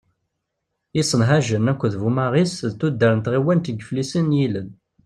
Isenajen akked Bumaɣis d tuddar n tɣiwant n Iflisen n yilel.